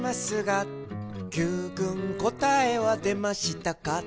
「Ｑくんこたえはでましたか？」